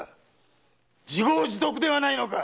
自業自得ではないのか！